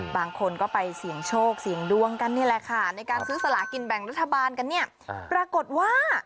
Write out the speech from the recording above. บางคนก็ไปเสี่ยงโชคเสี่ยงดวงกันนี่แหละค่ะในการซื้อสลากินแบ่งรัฐบาลกันเนี่ยปรากฏว่า